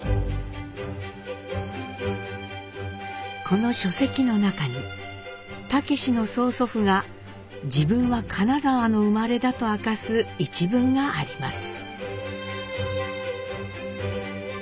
この書籍の中に武司の曽祖父が「自分は金沢の生まれ」だと明かす一文があります。